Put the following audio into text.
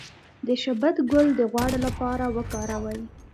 د شبت ګل د غوړ لپاره وکاروئ